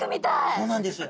そうなんです。